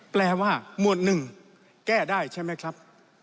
แปลว่าหมวดหนึ่งแก้ได้ใช่ไหมครับ